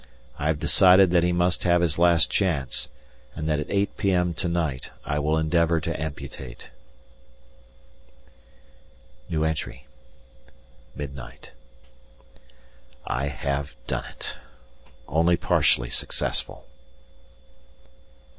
I have decided that he must have his last chance, and that at 8 p.m. to night I will endeavour to amputate. Midnight. I have done it only partially successful.